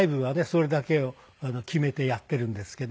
それだけを決めてやっているんですけど。